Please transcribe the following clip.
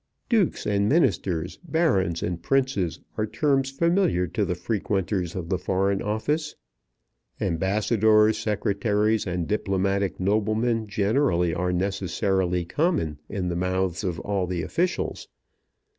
Dukes and Ministers, Barons and Princes, are terms familiar to the frequenters of the Foreign Office. Ambassadors, Secretaries, and diplomatic noblemen generally, are necessarily common in the mouths of all the officials.